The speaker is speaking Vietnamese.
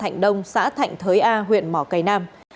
thạnh đông xã thạnh thới a huyện mỏ cầy nam